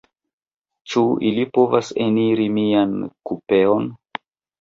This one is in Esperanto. Ĉu ili povas eniri mian kupeon?